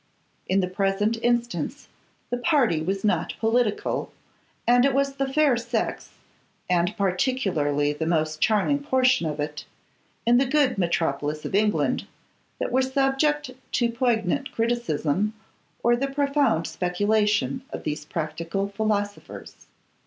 In the present instance the party was not political; and it was the fair sex, and particularly the most charming portion of it, in the good metropolis of England, that were subject to the poignant criticism or the profound speculation of these practical philosophers.